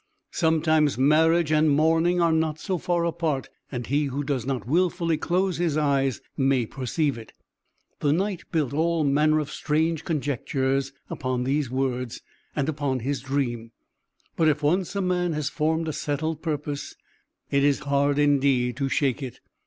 Sometimes marriage and mourning are not so far apart; and he who does not wilfully close his eyes may perceive it." The Knight built all manner of strange conjectures upon these words, and upon his dream. But if once a man has formed a settled purpose, it is hard indeed to shake it.